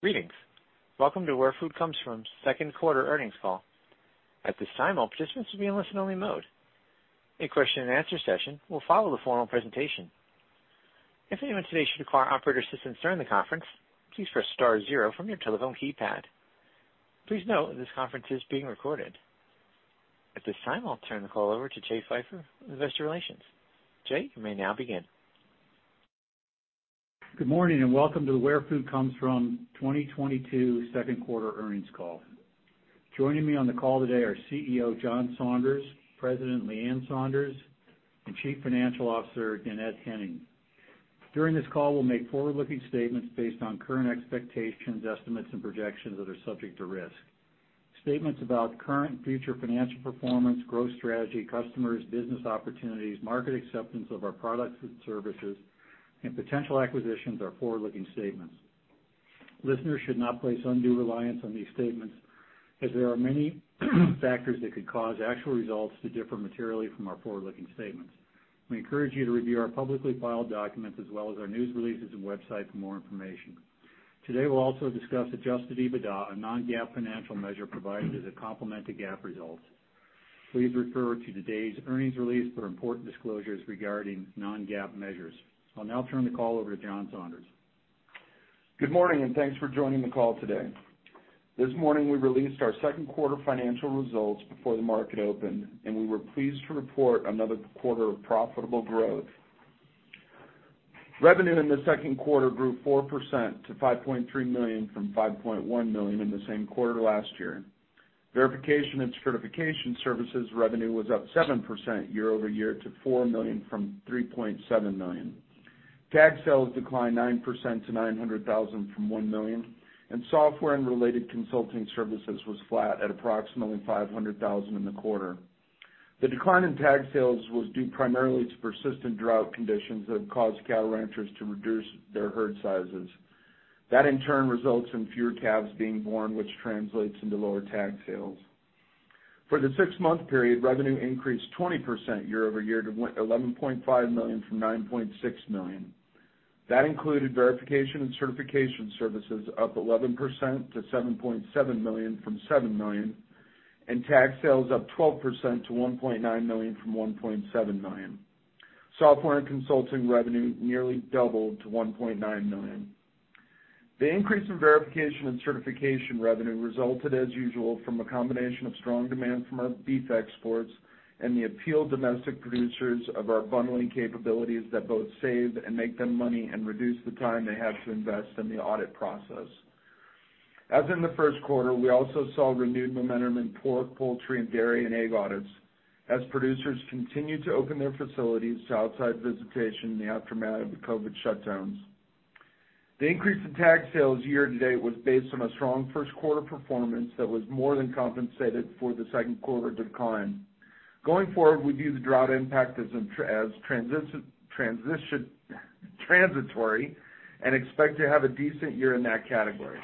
Greetings. Welcome to Where Food Comes From Second Quarter Earnings Call. At this time, all participants will be in listen-only mode. A question-and-answer session will follow the formal presentation. If anyone today should require operator assistance during the conference, please press star zero from your telephone keypad. Please note this conference is being recorded. At this time, I'll turn the call over to Jay Pfeiffer, Investor Relations. Jay, you may now begin. Good morning, and welcome to the Where Food Comes From 2022 second quarter earnings call. Joining me on the call today are CEO John Saunders, President Leann Saunders, and Chief Financial Officer Dannette Henning. During this call, we'll make forward-looking statements based on current expectations, estimates, and projections that are subject to risk. Statements about current and future financial performance, growth strategy, customers, business opportunities, market acceptance of our products and services, and potential acquisitions are forward-looking statements. Listeners should not place undue reliance on these statements as there are many factors that could cause actual results to differ materially from our forward-looking statements. We encourage you to review our publicly filed documents as well as our news releases and website for more information. Today, we'll also discuss adjusted EBITDA, a non-GAAP financial measure provided as a complement to GAAP results. Please refer to today's earnings release for important disclosures regarding non-GAAP measures. I'll now turn the call over to John Saunders. Good morning, and thanks for joining the call today. This morning, we released our second quarter financial results before the market opened, and we were pleased to report another quarter of profitable growth. Revenue in the second quarter grew 4% to $5.3 million from $5.1 million in the same quarter last year. Verification and certification services revenue was up 7% year-over-year to $4 million from $3.7 million. Tag sales declined 9% to $900,000 from $1 million, and software and related consulting services was flat at approximately $500,000 in the quarter. The decline in tag sales was due primarily to persistent drought conditions that have caused cattle ranchers to reduce their herd sizes. That, in turn, results in fewer calves being born, which translates into lower tag sales. For the six-month period, revenue increased 20% year-over-year to $11.5 million from $9.6 million. That included verification and certification services up 11% to $7.7 million from $7 million, and tag sales up 12% to $1.9 million from $1.7 million. Software and consulting revenue nearly doubled to $1.9 million. The increase in verification and certification revenue resulted, as usual, from a combination of strong demand from our beef exporters and the appeal to domestic producers of our bundling capabilities that both save and make them money and reduce the time they have to invest in the audit process. As in the first quarter, we also saw renewed momentum in pork, poultry, dairy, and egg audits as producers continued to open their facilities to outside visitation in the aftermath of the COVID shutdowns. The increase in tag sales year-to-date was based on a strong first quarter performance that was more than compensated for the second quarter decline. Going forward, we view the drought impact as transitory and expect to have a decent year in that category.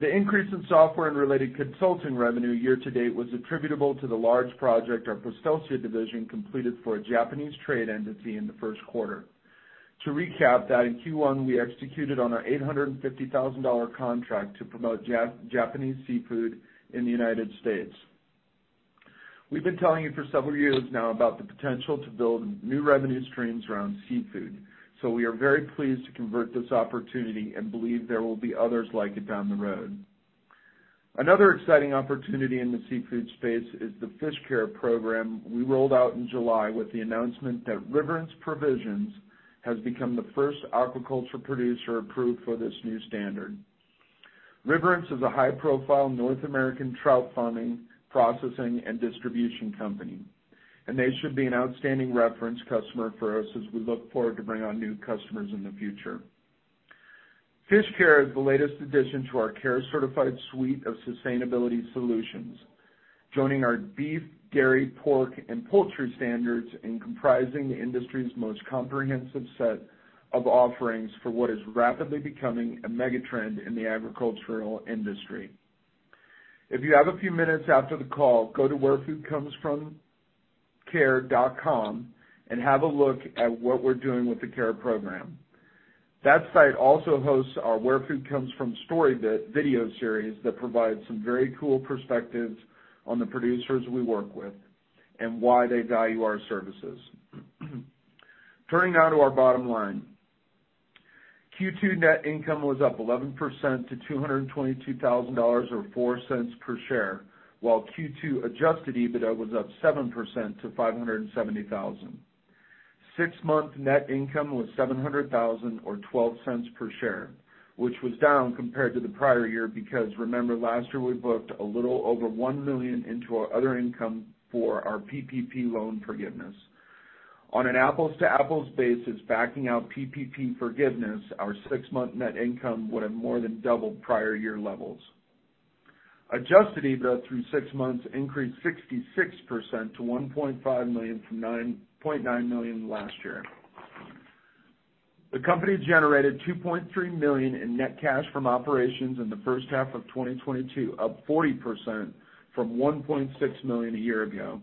The increase in software and related consulting revenue year-to-date was attributable to the large project our Postelsia division completed for a Japanese trade entity in the first quarter. To recap that, in Q1, we executed on our $850,000 contract to promote Japanese seafood in the United States. We've been telling you for several years now about the potential to build new revenue streams around seafood, so we are very pleased to convert this opportunity and believe there will be others like it down the road. Another exciting opportunity in the seafood space is the FishCARE program we rolled out in July with the announcement that Riverence Provisions has become the first aquaculture producer approved for this new standard. Riverence Provisions is a high-profile North American trout farming, processing, and distribution company, and they should be an outstanding reference customer for us as we look forward to bring on new customers in the future. FishCARE is the latest addition to our CARE Certified suite of sustainability solutions, joining our beef, dairy, pork, and poultry standards and comprising the industry's most comprehensive set of offerings for what is rapidly becoming a mega-trend in the agricultural industry. If you have a few minutes after the call, go to wherefoodcomesfromcare.com and have a look at what we're doing with the CARE program. That site also hosts our Where Food Comes From Storybit video series that provides some very cool perspectives on the producers we work with and why they value our services. Turning now to our bottom line. Q2 net income was up 11% to $222,000, or $0.04 per share, while Q2 adjusted EBITDA was up 7% to $570,000. Six-month net income was $700,000 or $0.12 per share, which was down compared to the prior year because remember last year we booked a little over $1 million into our other income for our PPP loan forgiveness. On an apples-to-apples basis, backing out PPP forgiveness, our six-month net income would have more than doubled prior year levels. Adjusted EBITDA through six months increased 66% to $1.5 million from $0.9 million last year. The company generated $2.3 million in net cash from operations in the first half of 2022, up 40% from $1.6 million a year ago.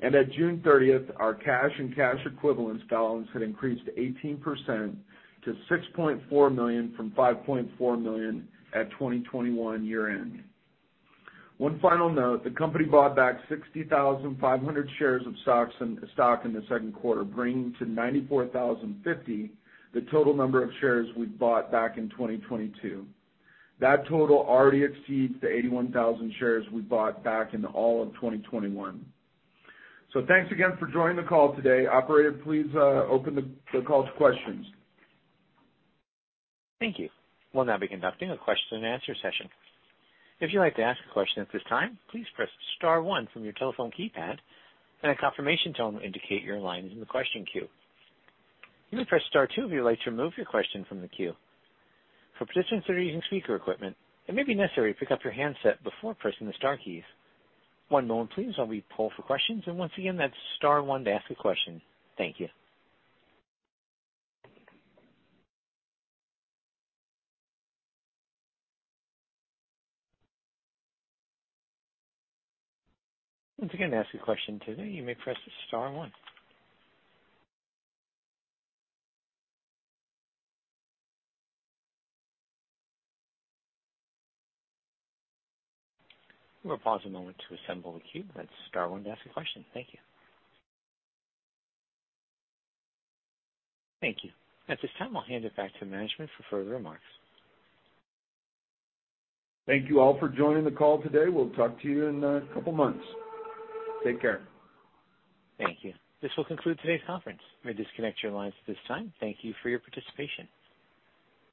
At June 30th, our cash and cash equivalents balance had increased 18% to $6.4 million from $5.4 million at 2021 year-end. One final note, the company bought back 60,500 shares of stock in the second quarter, bringing to 94,050 the total number of shares we've bought back in 2022. That total already exceeds the 81,000 shares we bought back in all of 2021. Thanks again for joining the call today. Operator, please, open the call to questions. Thank you. We'll now be conducting a question and answer session. If you'd like to ask a question at this time, please press star one from your telephone keypad and a confirmation tone will indicate your line is in the question queue. You may press star two if you would like to remove your question from the queue. For participants that are using speaker equipment, it may be necessary to pick up your handset before pressing the star key. One moment please while we poll for questions, and once again, that's star one to ask a question. Thank you. Once again, to ask a question today you may press star one. We'll pause a moment to assemble the queue. That's star one to ask a question. Thank you. Thank you. At this time, I'll hand it back to management for further remarks. Thank you all for joining the call today. We'll talk to you in a couple months. Take care. Thank you. This will conclude today's conference. You may disconnect your lines at this time. Thank you for your participation.